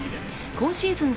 今シーズン